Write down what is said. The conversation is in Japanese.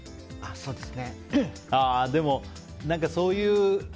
そうですね。